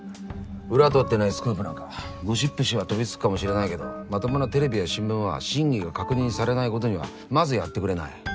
裏取ってないスクープなんかはゴシップ誌は飛びつくかもしれないけどまともなテレビや新聞は真偽が確認されないことにはまずやってくれない。